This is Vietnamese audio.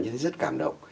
như thế rất cảm động